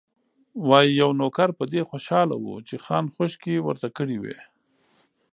وايي، یو نوکر په دې خوشاله و چې خان خوشکې ورته کړې وې.